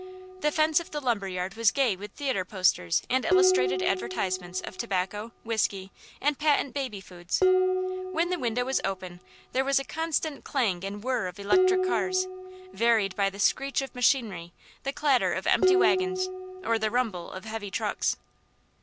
The fence of the lumberyard was gay with theatre posters and illustrated advertisements of tobacco, whiskey, and patent baby foods. When the window was open, there was a constant clang and whirr of electric cars, varied by the screech of machinery, the clatter of empty wagons, or the rumble of heavy trucks.